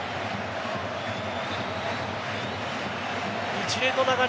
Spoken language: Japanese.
一連の流れ